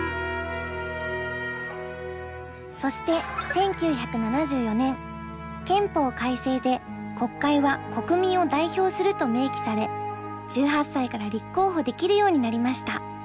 そして１９７４年憲法改正で「国会は国民を代表する」と明記され１８歳から立候補できるようになりました。